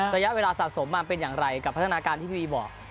ระยะเวลาสะสมมาเป็นอย่างไรกับพัฒนาการที่พี่วีบอก